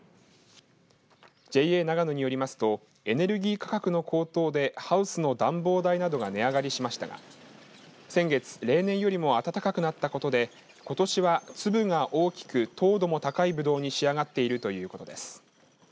ＪＡながのによりますとエネルギー価格の高騰でハウスの暖房代などが値上がりしましたが先月、例年よりも暖かくなったことでことしは粒が大きく糖度も高いぶどうに仕上がっているということです。